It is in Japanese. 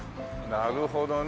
なるほどね。